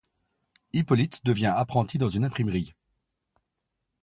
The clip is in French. Hippolyte devient apprenti dans une imprimerie.